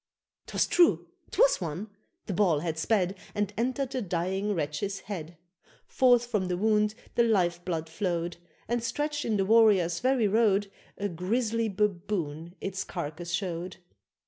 'Twas true! 'twas one! the ball had sped, And entered the dying wretch's head; Forth from the wound the life blood flowed, And, stretched in the warriors' very road, A grisly baboon its carcase showed!